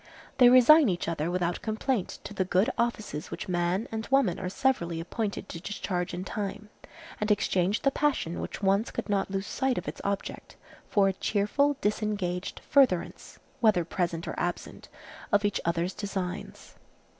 They resign each other without complaint to the good offices which man and woman are severally appointed to discharge in time, and exchange the passion which once could not lose sight of its object, for a cheerful, disengaged furtherance, whether present or absent, of each other's designs.